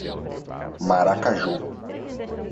Maracaju